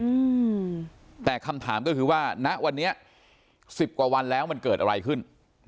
อืมแต่คำถามก็คือว่าณวันนี้สิบกว่าวันแล้วมันเกิดอะไรขึ้น